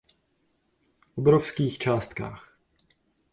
Obrovských částkách.